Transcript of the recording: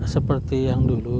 seperti yang dulu